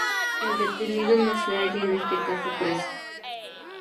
El detenido no se halla en este caso preso.